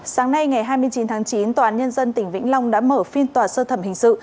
sáng nay ngày hai mươi chín tháng chín tòa án nhân dân tỉnh vĩnh long đã mở phiên tòa sơ thẩm hình sự